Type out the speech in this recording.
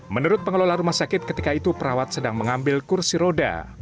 menurut pengelola rumah sakit ketika itu perawat sedang mengambil kursi roda